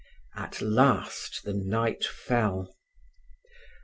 At last the night fell.